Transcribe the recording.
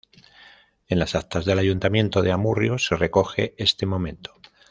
En las actas del Ayuntamiento de Amurrio se recoge este momento.